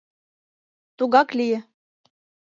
Тугак лие.